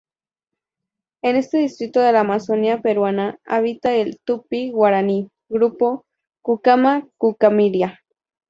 En este distrito de la Amazonia peruana habita la Tupi-Guaraní grupo Kucama-Kukamiria.